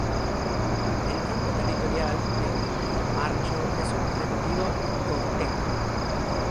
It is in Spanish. El canto territorial del macho es un repetido "ko-tek".